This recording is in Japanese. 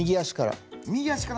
右足から。